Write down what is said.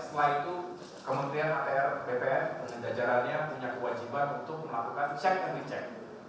setelah itu kementerian ppn dan jajarannya punya kewajiban untuk melakukan check and recheck